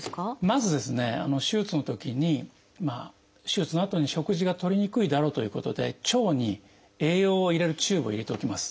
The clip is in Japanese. まずですね手術のときに手術のあとに食事がとりにくいだろうということで腸に栄養を入れるチューブを入れておきます。